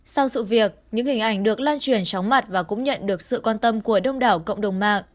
sau sự việc những hình ảnh được lan truyền chóng mặt và cũng nhận được sự quan tâm của đông đảo cộng đồng mạng